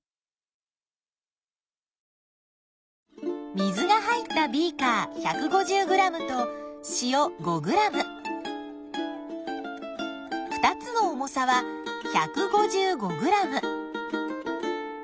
水が入ったビーカー１５０ｇと塩５ｇ２つの重さは１５５ｇ。